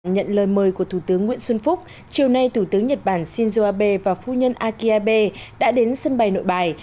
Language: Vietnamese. nhận lời mời của thủ tướng nguyễn xuân phúc chiều nay thủ tướng nhật bản shinzo abe và phu nhân aki abe đã đến sân bay nội bài